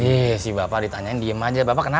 iya si bapak ditanyain diem aja bapak kenapa